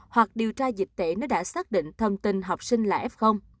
hoặc điều tra dịch tễ nếu đã xác định thông tin học sinh là f